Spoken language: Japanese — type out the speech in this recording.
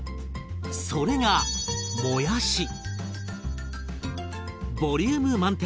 それがボリューム満点！